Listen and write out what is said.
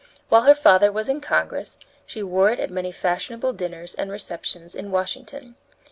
While her father was in Congress, she wore it at many fashionable dinners and receptions in Washington.